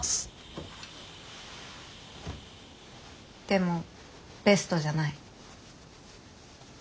でもベストじゃない。